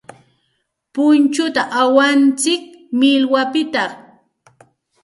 Punchuta awantsik millwapiqta.